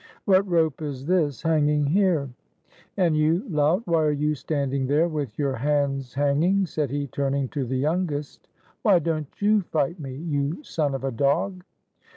What rope is this, hanging here? — And you, lout, why are you standing there with your hands hanging?" said he, turning to the youngest. "Why don't you fight me? you son of a dog!"